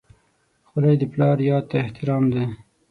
خولۍ د پلار یاد ته احترام دی.